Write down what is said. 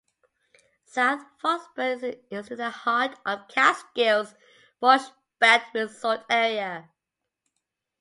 South Fallsburg is in the heart of the Catskills Borscht Belt resort area.